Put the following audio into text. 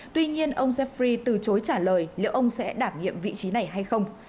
tuy nhiên ông zeffri từ chối trả lời liệu ông sẽ đảm nhiệm vị trí này hay không